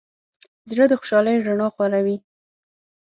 زړه د خوشحالۍ رڼا خوروي.